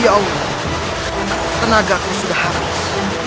ya allah tenagaku sudah harap